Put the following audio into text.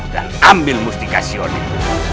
dan ambil mustikasion itu